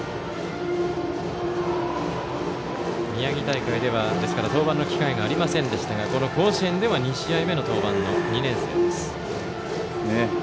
宮城大会では登板の機会がありませんでしたがこの甲子園では２試合目の登板の２年生です。